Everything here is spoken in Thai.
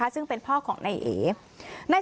ซึ่งเป็นพ่อของนายเอ